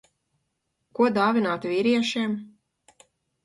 Ko dāvināt vīriešiem?